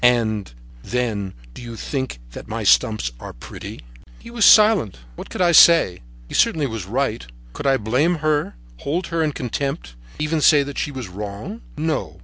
And, then, do you think that my stumps are pretty?" He was silent. What could I say? He certainly was right. Could I blame her, hold her in contempt, even say that she was wrong? No.